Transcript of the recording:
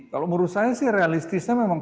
kalau menurut saya sih realistisnya memang